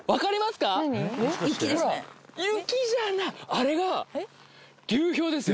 あれが流氷ですよ